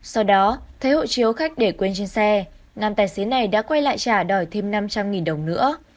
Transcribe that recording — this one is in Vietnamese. sau đó thấy hộ chiếu khách để quên trên xe nam tài xế này đã quay lại trả đòi thêm năm trăm linh đồng nữa